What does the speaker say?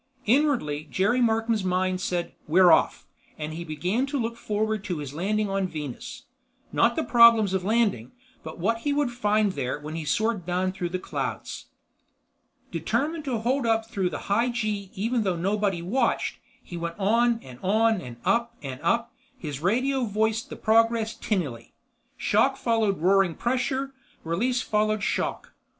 Inwardly, Jerry Markham's mind said, "We're off!" and he began to look forward to his landing on Venus. Not the problems of landing, but what he would find there when he soared down through the clouds. Determined to hold up through the high G even though nobody watched, he went on and on and up and up, his radio voiced the progress tinnily. Shock followed roaring pressure, release followed shock.